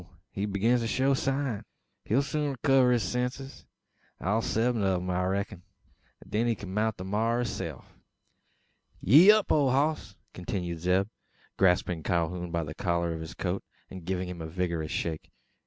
he begins to show sign! He'll soon rekiver his senses all seven o' 'em, I reck'n an then he kin mount the maar o' hisself. "Yee up, ole hoss!" continues Zeb, grasping Calhoun by the collar of his coat, and giving him a vigorous shake.